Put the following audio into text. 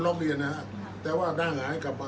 อันไหนที่มันไม่จริงแล้วอาจารย์อยากพูด